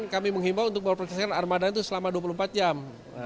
kami menghimbau untuk mengoperasikan armadanya selama dua puluh empat jam